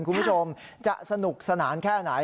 คุณผู้ชมจะสนุกสนานแค่ไหน